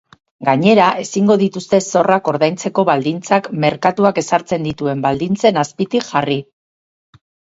Gainera, ezingo dituzte zorrak ordaintzeko baldintzak merkatuak ezartzen dituen baldintzen azpitik jarri.